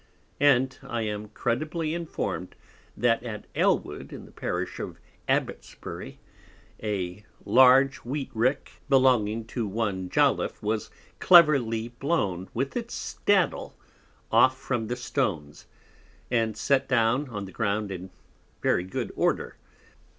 And I am credibly inform'd, that at Ellwood in the Parish of Abbotsbury, a large Wheat Rick (belonging to one Jolyffe) was cleverly blown, with its Staddle, off from the Stones, and set down on the Ground in very good Order.